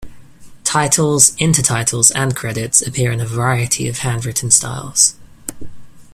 Titles, intertitles and credits appear in a variety of handwritten styles.